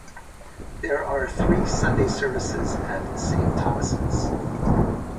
There are three Sunday services at Saint Thomas'.